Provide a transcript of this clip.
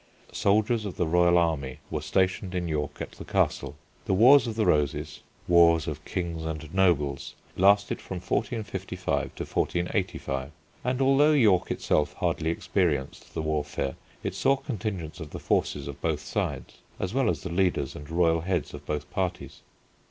Soldiers of the royal army were stationed in York at the Castle. The Wars of the Roses, wars of kings and nobles, lasted from 1455 to 1485 and, although York itself hardly experienced the warfare, it saw contingents of the forces of both sides, as well as the leaders and royal heads of both parties.